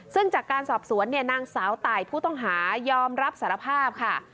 ซึ่งจากการสอบสวนเนี่ยนางสาวตายผู้ต้องหายอมรับสารภาพค่ะ